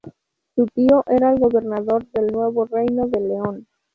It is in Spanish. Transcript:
Su tío era el gobernador del Nuevo Reino de León.